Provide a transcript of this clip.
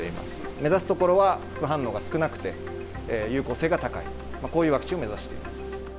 目指すところは、副反応が少なくて有効性が高い、こういうワクチンを目指しています。